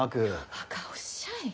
ばかおっしゃい。